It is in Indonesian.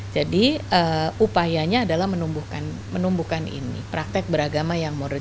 jadi upayanya adalah menumbuhkan ini praktek beragama yang moderat